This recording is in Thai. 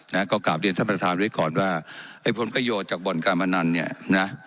นะก็กลับเรียนท่านประธานไว้ก่อนว่าไอ้ผลประโยชน์จากบ่อนการพนันเนี่ยนะ